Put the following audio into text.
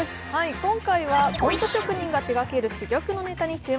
今回はコント職人が手がける珠玉のネタに注目。